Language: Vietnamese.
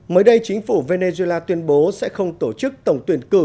mới đây chính phủ venezuela tuyên bố sẽ không tổ chức tổng tuyển cử